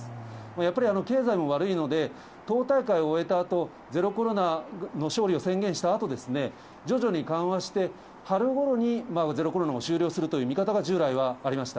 やっぱり経済も悪いので、党大会を終えたあと、ゼロコロナの勝利を宣言したあと、徐々に緩和して、春ごろにゼロコロナを終了するという見方が従来はありました。